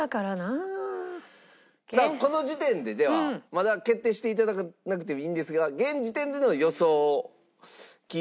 さあこの時点でではまだ決定して頂かなくていいんですが現時点での予想を聞いてみたいと思います。